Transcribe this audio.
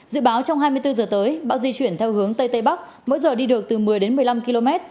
dự báo trong hai mươi bốn h tới bão di chuyển theo hướng tây tây bắc mỗi giờ đi được từ một mươi đến một mươi năm km